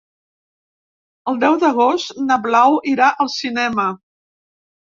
El deu d'agost na Blau irà al cinema.